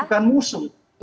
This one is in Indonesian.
karena itu bukan musuh